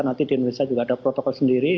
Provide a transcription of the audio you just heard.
nanti di indonesia juga ada protokol sendiri